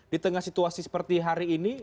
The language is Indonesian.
di tengah situasi seperti hari ini